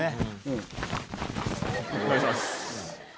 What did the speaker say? お願いします。